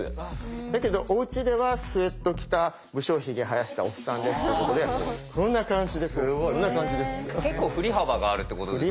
だけどおうちではスエット着た不精ひげ生やしたおっさんですってことでこんな感じです。